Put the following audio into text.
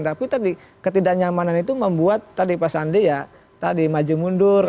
tapi tadi ketidaknyamanan itu membuat tadi pak sandi ya tadi maju mundur